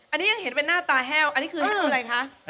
อันนี้ยังเห็นเป็นหน้าตาแห้วอันนี้คืออะไรคะ